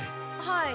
はい。